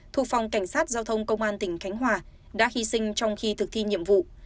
thuộc phòng cảnh sát giao thông công an tỉnh khánh hòa đã hy sinh trong khi thực thi nhiệm vụ